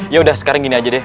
yaudah sekarang gini aja deh